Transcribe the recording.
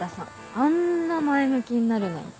あんな前向きになるなんて。